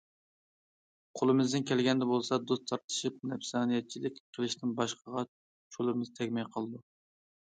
قولىمىزدىن كەلگەندە بولسا دوست تارتىشىپ نەپسانىيەتچىلىك قىلىشتىن باشقىغا چولىمىز تەگمەي قالىدۇ.